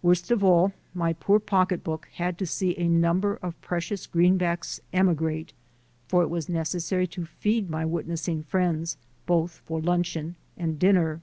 Worst of all, my poor pocketbook had to see a number of precious greenbacks emigrate, for it was necessary to feed my witnessing friends both for luncheon and dinner.